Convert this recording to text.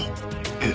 えっ？